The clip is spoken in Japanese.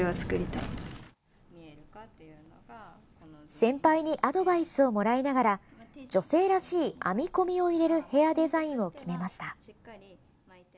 先輩にアドバイスをもらいながら女性らしい編み込みを入れるヘアデザインを決めました。